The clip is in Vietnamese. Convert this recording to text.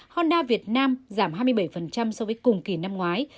honda việt nam giảm hai mươi bảy so với cùng kỳ năm ngoái